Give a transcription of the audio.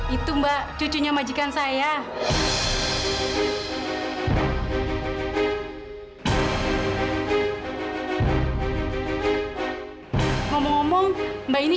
itu tuh cuma perasaan kamu aja